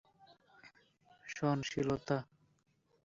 Calculus অনুযায়ী, দ্রুতি হলো সময়ের সাথে দূরত্বের পরিবর্তনের হার।